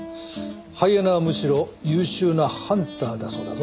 ハイエナはむしろ優秀なハンターだそうだぞ。